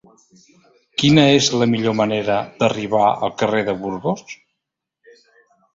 Quina és la millor manera d'arribar al carrer de Burgos?